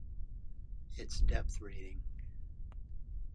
It's depth reading.